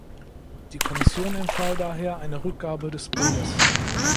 Die Kommission empfahl daher eine Rückgabe des Bildes.